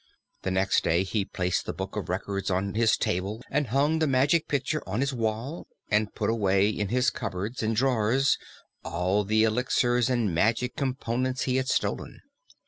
The next day he placed the Book of Records on his table and hung the Magic Picture on his wall and put away in his cupboards and drawers all the elixirs and magic compounds he had stolen.